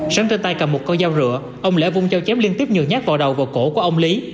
sáng trên tay cầm một con dao rửa ông lễ vung châu chém liên tiếp nhường nhát vào đầu và cổ của ông lý